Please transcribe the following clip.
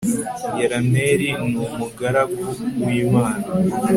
yerameli ni umugaragu w imana